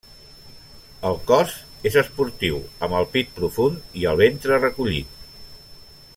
El cos és esportiu, amb el pit profund i el ventre recollit.